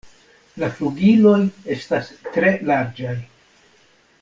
La flugiloj estas tre larĝaj.